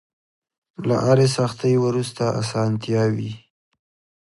له هرې سختۍ وروسته ارسانتيا وي.